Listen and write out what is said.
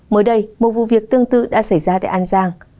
mới đây một vụ việc tương tự đã xảy ra tại an giang